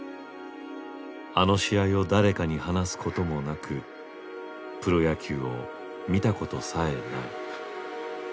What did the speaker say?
あの試合を誰かに話すこともなくプロ野球を見たことさえない。